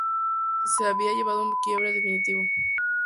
Se había llegado a un quiebre definitivo.